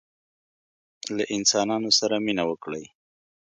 له انسانانو سره مینه وکړئ